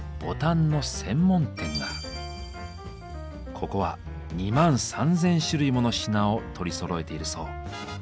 ここは２万３千種類もの品を取りそろえているそう。